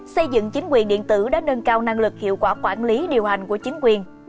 xây dựng chính quyền điện tử đã nâng cao năng lực hiệu quả quản lý điều hành của chính quyền